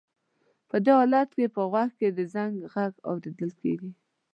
په دې حالت کې په غوږ کې د زنګ غږ اورېدل کېږي.